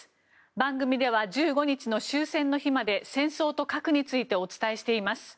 番組では、１５日の終戦の日まで戦争と核についてお伝えしています。